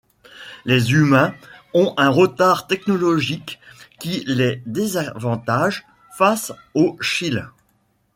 Les Humains ont un retard technologique qui les désavantage face aux Chiles.